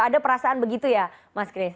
ada perasaan begitu ya mas chris